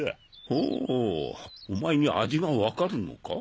ほぅお前に味が分かるのか？